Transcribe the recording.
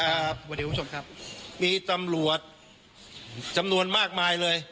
สวัสดีคุณผู้ชมครับมีตำรวจจำนวนมากมายเลย